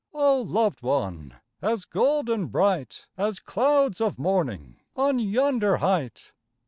oh loved one! As golden bright, As clouds of morning On yonder height!